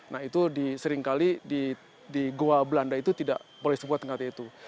nah itu di seringkali di goa belanda itu tidak boleh sebutkan kata itu